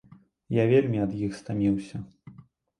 Я вельмі ад іх стаміўся.